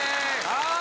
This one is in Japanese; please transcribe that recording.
はい。